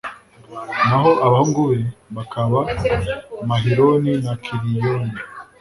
naho abahungu be bakaba mahiloni na kiliyoni